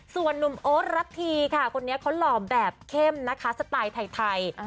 ส่วนนุ่มโอ๊ตรทีค่ะคนนี้เขาหล่อแบบเข้มนะคะสไตล์ไทย